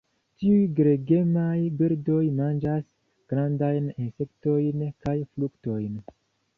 Tiuj gregemaj birdoj manĝas grandajn insektojn kaj fruktojn.